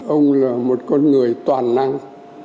ông là một con người toàn năng